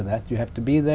và tôi có thể thấy